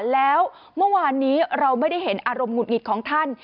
แล้วเมื่อวานนี้เราไม่ได้เห็นอารมณ์หงุดหงิดของท่าน